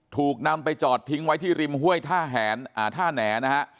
ถูกนำไปจอดทิ้งไว้ที่ริมห้วยท่าแหน่นะฮะ